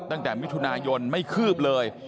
ตั้งแต่มิถุนายนไม่คืบเลย